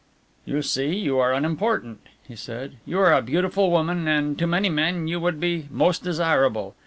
"You see you are unimportant," he said, "you are a beautiful woman and to many men you would be most desirable.